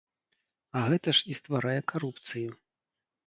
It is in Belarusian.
А гэта ж і стварае карупцыю!